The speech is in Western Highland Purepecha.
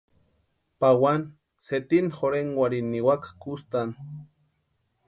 Pawani sétima jorhenkwarhini niwaka kustani.